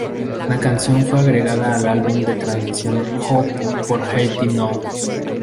La canción fue agregada al álbum de la transmisión "Hope for Haiti Now".